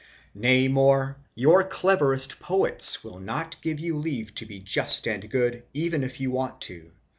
Nay more, your cleverest poets will not give you leave to be just _and good, even if you want to..